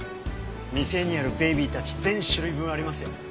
店にあるベイビーたち全種類分ありますよ。